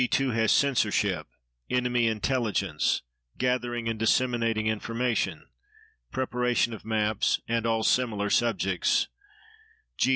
2 has censorship, enemy intelligence, gathering and disseminating information, preparation of maps, and all similar subjects; G.